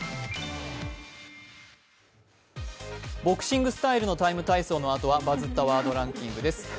ボクシングスタイルの「ＴＩＭＥ，体操」の後は「バズったワードランキング」です。